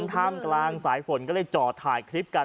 ท่ามกลางสายฝนก็เลยจอดถ่ายคลิปกัน